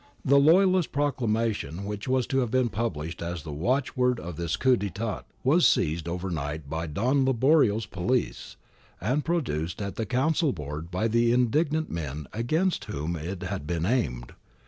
The loyalist proclamation which was to have been pubhshed as the watchword of this coup cT^tat was seized overnight by Don Liborio's police, and produced at the council board by the indignant men against whom it had been aimed.